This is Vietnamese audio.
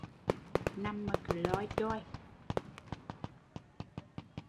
Nằm mà cứ loi choi